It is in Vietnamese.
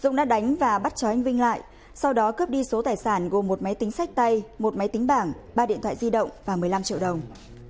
dũng đã đánh và bắt chó anh vinh lại sau đó cướp đi số tài sản gồm một máy tính sách tay một máy tính bảng ba điện thoại di động và một mươi năm triệu đồng